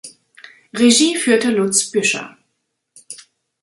Regie führte Lutz Büscher.